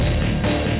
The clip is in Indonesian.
aku mau ngapain